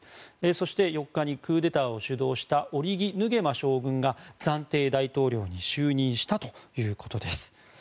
そして、４日にクーデターを主導したオリギ・ヌゲマ将軍が暫定大統領に就任したということです。